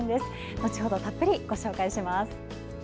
後ほど、たっぷりご紹介します。